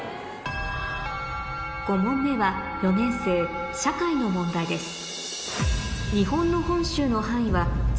５問目は４年生社会の問題ですえ